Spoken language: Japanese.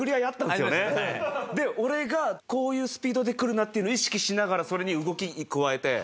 で俺がこういうスピードでくるなっていうのを意識しながらそれに動き加えて。